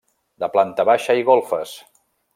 De planta baixa i golfes.